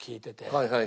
はいはい。